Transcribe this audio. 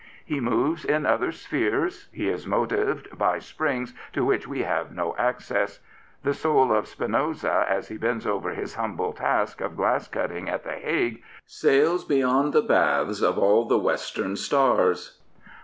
He moves in other spheres ; he is motived by springs to which we have no access, the soul of Spinoza, as he bends over his humble task of glass cutting at the Hague, sails beyond the baths of all the Western stars.'